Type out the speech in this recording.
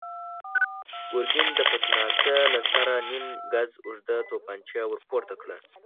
ګرګين د پتناسه له سره نيم ګز اوږده توپانچه ور پورته کړه.